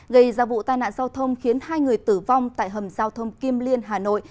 gây ra vụ tai nạn giao thông khiến hai người tử vong tại hầm giao thông kim liên hà nội